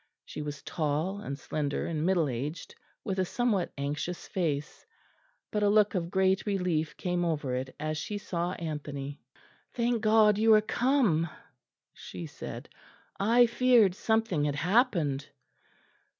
She was tall and slender and middle aged, with a somewhat anxious face; but a look of great relief came over it as she saw Anthony. "Thank God you are come," she said; "I feared something had happened."